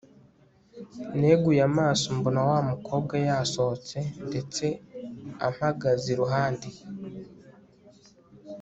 neguye amaso mbona wa mukobwa yasohotse ndetse ampagaze iruhande